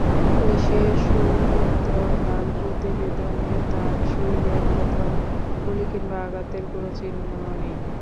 পুলিশের সুরতহাল প্রতিবেদনে তাঁর শরীরের কোথাও গুলি কিংবা আঘাতের কোনো চিহ্ন নেই।